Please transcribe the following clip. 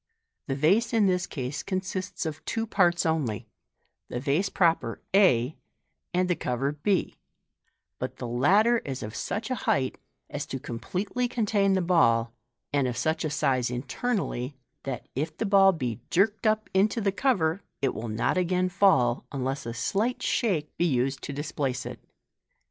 The vase in this case consists of two parts only, the vase proper <z, and the cover b, but the latter is of such a height as to completely contain the ball, and of such a size internally, that, if the ball be jerked up into the cover, it will not again fall, unless a slight shake be used to displace it.